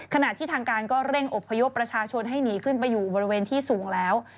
ขณะที่ทางการก็เร่งอบพยพประชาชนให้หนีขึ้นไปอยู่บริเวณที่สูงแล้ว